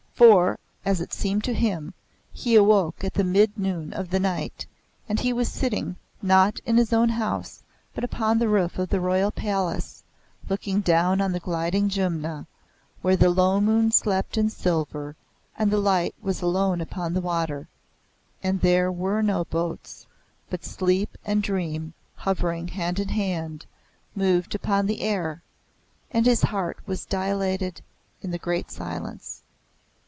For, as it seemed to him, he awoke at the mid noon of the night, and he was sitting, not in his own house, but upon the roof of the royal palace, looking down on the gliding Jumna, where the low moon slept in silver, and the light was alone upon the water; and there were no boats, but sleep and dream, hovering hand in hand, moved upon the air, and his heart was dilated in the great silence.